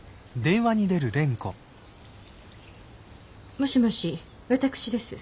もしもし私です。